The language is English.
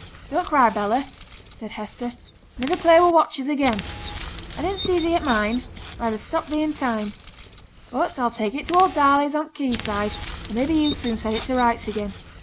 'Don't cry, Bella,' said Hester. 'Niver play with watches again. I didn't see thee at mine, or I'd ha' stopped thee in time. But I'll take it to old Darley's on th' quay side, and maybe he'll soon set it to rights again.